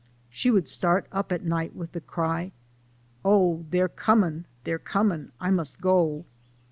She would start up at night with the cry, " Oh, dey're comin', dey're comin', I mus' go